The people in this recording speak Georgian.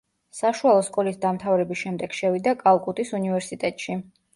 საშუალო სკოლის დამთავრების შემდეგ შევიდა კალკუტის უნივერსიტეტში.